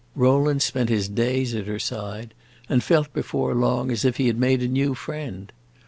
Rowland spent his days at her side and felt before long as if he had made a new friend.